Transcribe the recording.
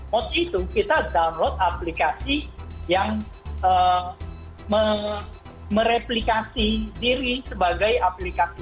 host itu kita download aplikasi yang mereplikasi diri sebagai aplikasi